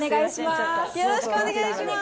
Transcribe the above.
よろしくお願いします。